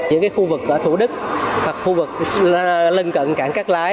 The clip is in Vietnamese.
những khu vực ở thủ đức hoặc khu vực lân cận cảng cát lái